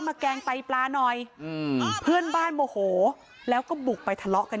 แกงไตปลาหน่อยอืมเพื่อนบ้านโมโหแล้วก็บุกไปทะเลาะกัน